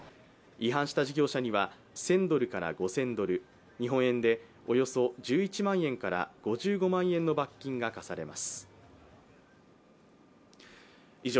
違反した事業者には１０００ドルから５０００ドル、日本円でおよそ１１万円から５５万円の罰金が科されます。